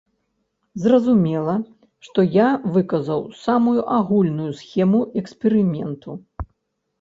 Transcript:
Зразумела, што я выказаў самую агульную схему эксперыменту.